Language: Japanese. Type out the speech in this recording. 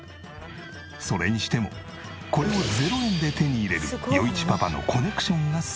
それにしてもこれを０円で手に入れる余一パパのコネクションがすごい。